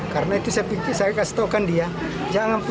karena itu saya kasih taukan dia